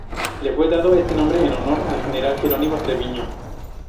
Le fue dado este nombre en honor al general Jerónimo Treviño.